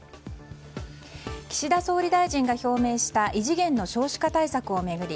岸田総理大臣が表明した異次元の少子化対策を巡り